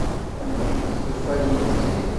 Anda ay d-tufa Yidir?